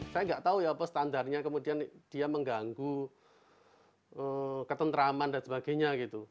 saya nggak tahu ya apa standarnya kemudian dia mengganggu ketentraman dan sebagainya gitu